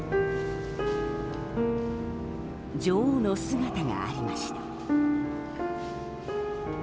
女王の姿がありました。